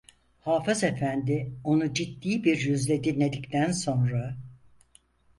Hafız efendi, onu ciddi bir yüzle dinledikten sonra: